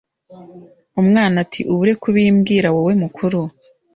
Umwana ati ubure kubimbwira wowe mukuru